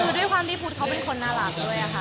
คือด้วยความที่พุทธเขาเป็นคนน่ารักด้วยค่ะ